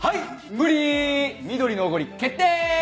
無理みどりのおごり決定。